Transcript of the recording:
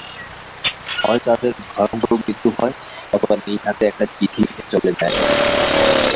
হয় তাদের ভয়ঙ্কর মৃত্যু হয় নতুবা নিজ হাতে একটা চিঠি লিখে চলে যায়।